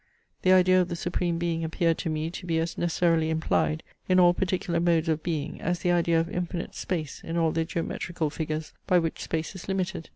The idea of the Supreme Being appeared to me to be as necessarily implied in all particular modes of being as the idea of infinite space in all the geometrical figures by which space is limited.